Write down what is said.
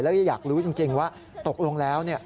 แล้วก็อยากรู้จริงว่าตกลงแล้ว